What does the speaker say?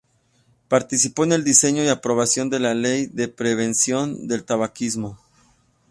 Participó en el diseño y aprobación de la Ley de Prevención del tabaquismo.